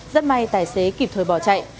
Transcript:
rất may tài xế kịp thời bỏ chạy